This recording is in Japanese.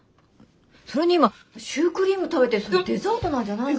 それに今シュークリーム食べてそれデザートなんじゃないの？